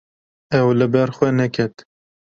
Ew li ber xwe neket.